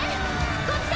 こっちだ！